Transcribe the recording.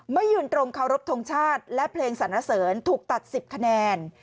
ยืนตรงเคารพทงชาติและเพลงสรรเสริญถูกตัด๑๐คะแนน